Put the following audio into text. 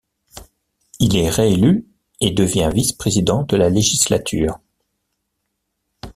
Il est réélu et devient vice-président de la législature.